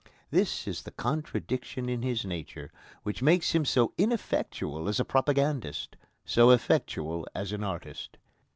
This is the contradiction in his nature which makes him so ineffectual as a propagandist, so effectual as an artist.